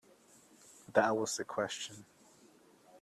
That was the question.